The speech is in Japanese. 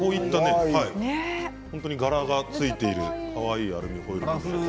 柄がついているかわいいアルミホイル。